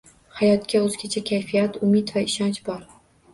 Hayotga oʻzgacha kayfiyat, umid va ishonch bor